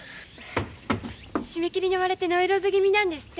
締め切りに追われてノイローゼ気味なんですって。